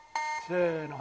せの。